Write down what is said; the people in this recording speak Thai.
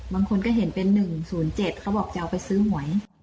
บางคนก็เห็นเป็น๑๐๗เขาบอกจะเอาไปซื้อหวย